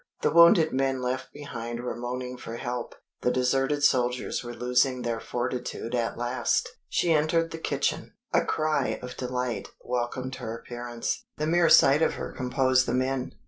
The wounded men left behind were moaning for help the deserted soldiers were losing their fortitude at last. She entered the kitchen. A cry of delight welcomed her appearance the mere sight of her composed the men.